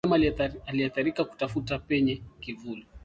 Mnyama aliyeathirika kutafuta penye kivuli